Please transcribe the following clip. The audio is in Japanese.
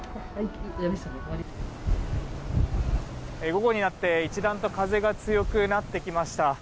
午後になって一段と風が強くなってきました。